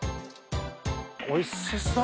おいしそっ！